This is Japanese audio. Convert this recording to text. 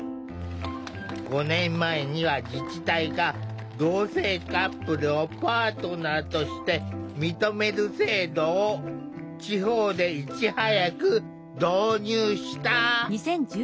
５年前には自治体が同性カップルをパートナーとして認める制度を地方でいち早く導入した。